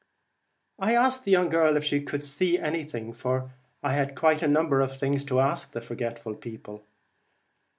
I asked the young girl if she could see any thing, for I had quite a number of things to ask the Forgetful People.